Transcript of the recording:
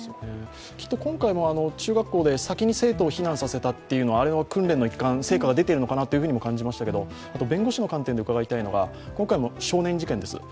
きっと今回の中学校で先に生徒を避難させたというのは訓練の成果が出ているのかなというふうにも感じましたけどあと弁護士の観点で伺いたいのが今回も少年事件です。